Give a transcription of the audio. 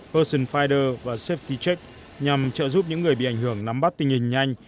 person finder và safety check nhằm trợ giúp những người bị ảnh hưởng nắm bắt tình hình nhanh